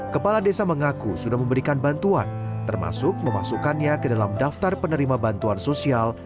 kepala desa mengaku sudah memberikan bantuan termasuk memasukkannya ke dalam daftar penerima bantuan sosial